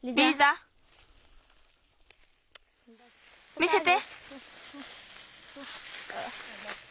見せて！